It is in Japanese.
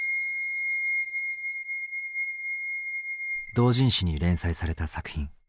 同人誌に連載された作品。